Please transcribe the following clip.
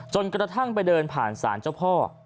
จนกระทั่งไปเดินผ่านศาลเจ้าพ่อ